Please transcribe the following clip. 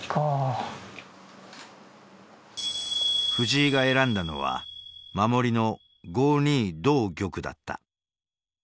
藤井が選んだのは守りの５二同玉だった。